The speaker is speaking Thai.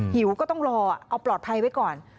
หิวก็ต้องรอเอาปลอดภัยไว้ก่อน